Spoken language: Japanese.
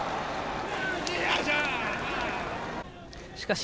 しかし、